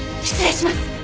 失礼します！